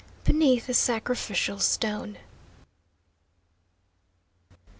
BENEATH THE SACRIFICIAL STONE.